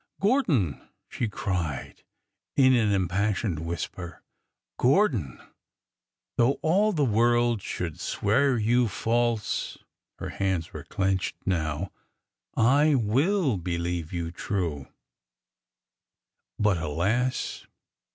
Gordon !'' she cried in an impassioned whisper ; Gordon 1 though all the world should swear you false," — her hands were clenched now, — I will believe you true 1 " But alas!